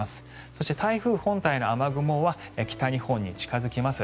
そして、台風本体の雨雲は北日本に近付きます。